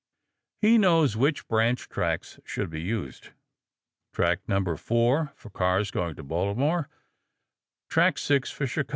He knows which branch tracks should be used track number 4 for cars going to Baltimore, track 6 for Chicago cars.